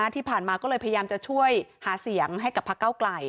ที่ผ่านมาก็เลยพยายามจะช่วยหาเสียงให้กับพักเก้าไกล